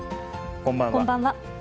こんばんは。